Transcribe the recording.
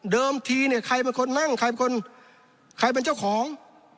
เดิมทีเนี่ยใครเป็นคนนั่งใครเป็นเจ้าของ